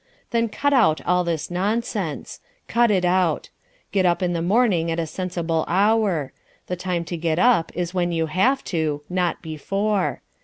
Then cut out all this nonsense. Cut it out. Get up in the morning at a sensible hour. The time to get up is when you have to, not before.